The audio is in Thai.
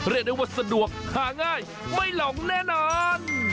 เรียกได้ว่าสะดวกหาง่ายไม่หลงแน่นอน